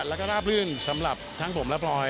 แล้วก็ราบลื่นสำหรับทั้งผมและพลอย